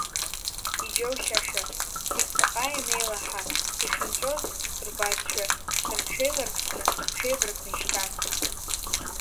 Иџьоушьаша, зегь ҵаҟа ианеилаҳа, ишынҵәоз рбазшәа, рҽеиларԥсны, рҽеибаркны ишьҭан.